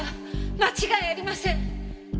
間違いありません！